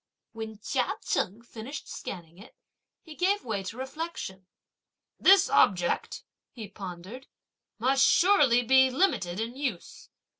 When Chia Cheng finished scanning it, he gave way to reflection. "This object," he pondered, "must surely be limited in use!